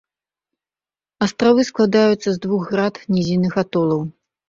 Астравы складаюцца з двух град нізінных атолаў.